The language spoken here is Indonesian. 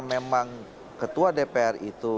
memang ketua dpr itu